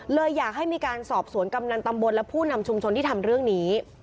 อยากให้มีการสอบสวนกำนันตำบลและผู้นำชุมชนที่ทำเรื่องนี้